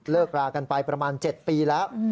รากันไปประมาณ๗ปีแล้ว